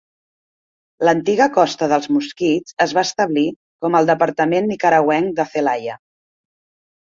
L'antiga Costa dels Mosquits es va establir com el departament nicaragüenc de Zelaya.